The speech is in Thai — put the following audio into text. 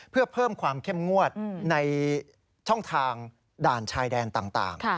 เพื่อเพิ่มความเข้มงวดในช่องทางด่านชายแดนต่าง